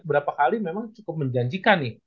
berapa kali memang cukup menjanjikan nih